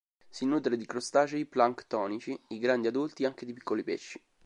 Si nutre di crostacei planctonici, i grandi adulti anche di piccoli pesci.